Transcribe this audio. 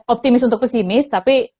optimis untuk pesimis tapi